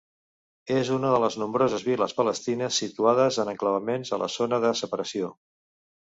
És una de les nombroses viles palestines situades en enclavaments a la Zona de Separació.